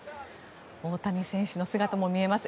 大谷選手の姿も見えます。